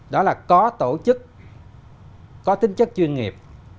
đó là có tổ chức có tính chất chuyên nghiệp